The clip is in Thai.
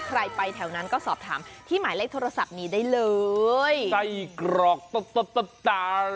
ไปแถวนั้นก็สอบถามที่หมายเลขโทรศัพท์นี้ได้เลยไส้กรอกตบตา